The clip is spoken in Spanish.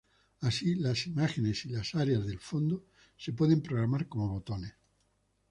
Así, las imágenes y las áreas de fondo se pueden programar como botones.